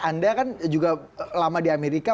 anda kan juga lama di amerika